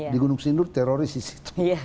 di gunung sindur teroris di situ